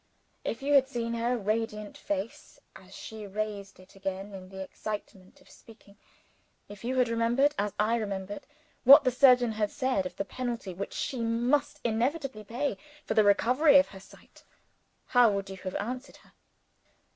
If you had seen her radiant face as she raised it again in the excitement of speaking; if you had remembered (as I remembered) what her surgeon had said of the penalty which she must inevitably pay for the recovery of her sight how would you have answered her?